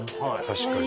確かに。